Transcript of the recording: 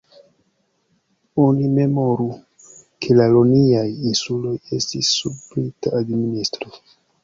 Oni memoru, ke la Ioniaj insuloj estis sub Brita administro.